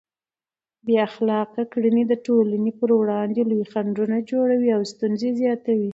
بې اخلاقه کړنې د ټولنې پر وړاندې لوی خنډونه جوړوي او ستونزې زیاتوي.